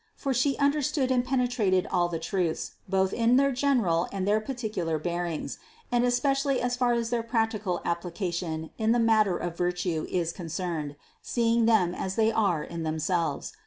For She understood and pene trated all the truths, both in their general and their par ticular bearings, and especially as far as their practical application in the matter of virtue is concerned, seeing them as they are in themselves.